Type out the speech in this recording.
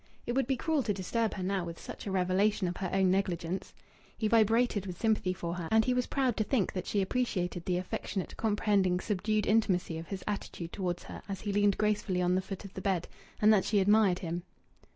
It would be cruel to disturb her now with such a revelation of her own negligence. He vibrated with sympathy for her, and he was proud to think that she appreciated the affectionate, comprehending, subdued intimacy of his attitude towards her as he leaned gracefully on the foot of the bed, and that she admired him.